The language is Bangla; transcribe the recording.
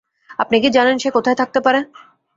আপনি কি জানেন সে কোথায় থাকতে পারে?